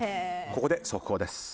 ここで速報です。